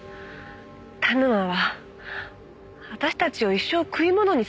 田沼は私たちを一生食い物にするつもりだったのよ。